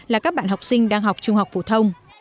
là các bạn học sinh đang học trung học phổ thông